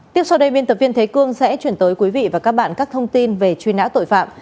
tiếp sau đây biên tập viên thế cương sẽ chuyển tới quý vị và các bạn các thông tin về truy nã tội phạm